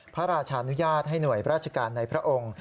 พระราชานุญาตให้หน่วยราชการในพระองค์